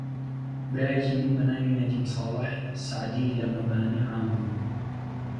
برایەکی بە ناوی نەدیم ساڵح سەعدی لە مەبانی عام بوو